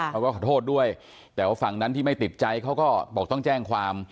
เขาก็ขอโทษด้วยแต่ว่าฝั่งนั้นที่ไม่ติดใจเขาก็บอกต้องแจ้งความ